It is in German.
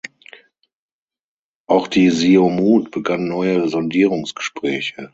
Auch die Siumut begann neue Sondierungsgespräche.